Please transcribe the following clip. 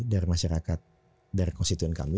dari masyarakat dari konstituen kami